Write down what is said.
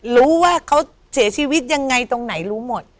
รู้ว่าเขาเสียชีวิตยังไงตรงไหนรู้หมด